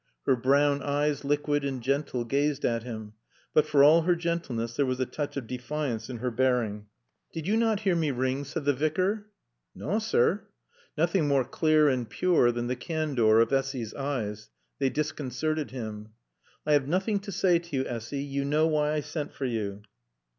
Her brown eyes, liquid and gentle, gazed at him. But for all her gentleness there was a touch of defiance in her bearing. "Did you not hear me ring?" said the Vicar. "Naw, sir." Nothing more clear and pure than the candor of Essy's eyes. They disconcerted him. "I have nothing to say to you, Essy. You know why I sent for you."